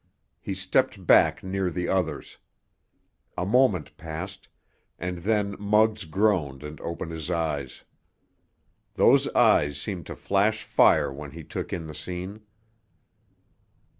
He stepped back near the others. A moment passed, and then Muggs groaned and opened his eyes. Those eyes seemed to flash fire when he took in the scene.